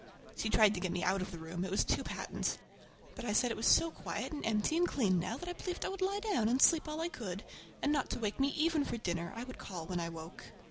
She tried to get me out of the room—it was too patent! But I said it was so quiet and empty and clean now that I believed I would lie down again and sleep all I could; and not to wake me even for dinner—I would call when I woke.